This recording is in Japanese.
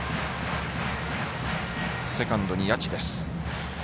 セカンドに谷内です。